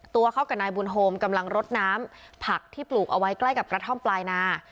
ตัวเขากับนายบุญโฮมกำลังรดน้ำผักที่ปลูกเอาไว้ใกล้กับกระท่อมปลายนา